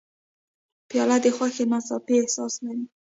پیاله د خوښۍ ناڅاپي احساس لري.